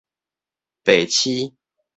白痴